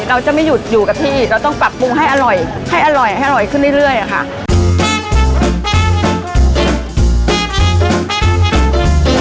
เราจะไม่หยุดอยู่กับที่เราต้องปรับปรุงให้อร่อยให้อร่อยให้อร่อยขึ้นเรื่อยอะค่ะ